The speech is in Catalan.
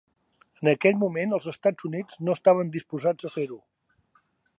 En aquell moment, els Estats Units no estaven disposats a fer-ho.